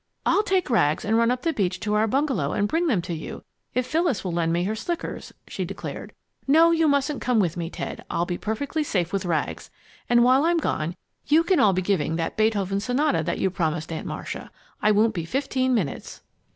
"I'll take Rags and run up the beach to our bungalow and bring them to you, if Phyllis will lend me her slickers," she declared. "No, you mustn't come with me, Ted. I'll be perfectly safe with Rags, and while I'm gone, you can all be giving that Beethoven sonata that you promised Aunt Marcia. I won't be fifteen minutes."